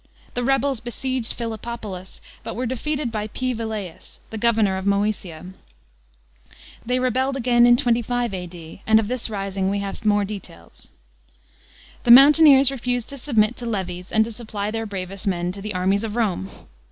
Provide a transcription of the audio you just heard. The rebels besieged Philippopolis, but were defeated by P. Vellseus, the governor of Moesia. They rebelled again in 25 A.D., and of this rising we have more details. The mountaineers refused to submit to levies and to supply their bravest men to the armies of Rome.